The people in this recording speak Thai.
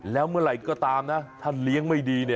แล้วเมื่อไหร่ก็ตามนะถ้าเลี้ยงไม่ดี